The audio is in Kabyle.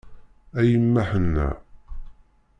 A yemma ḥenna.